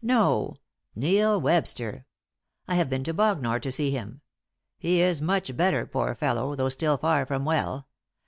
"No; Neil Webster. I have been to Bognor to see him. He is much better, poor fellow, though still far from well.